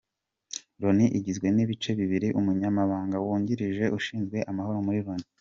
Loni igizwe n’ibice bibiri Umunyamabanga wungirije ushinzwe amahoro muri Loni